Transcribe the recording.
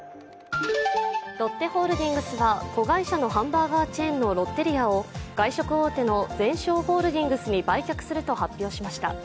ロッテホールディングスは子会社のハンバーガーチェーンのロッテリアを外食大手のゼンショーホールディングスに売却すると発表しました。